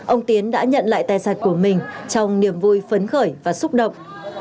ông tiến đã nhận lại tài sản của mình trong niềm vui phấn khởi và xúc động